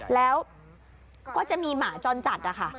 แล้วก็จะมีหมาจรจัดนะคะ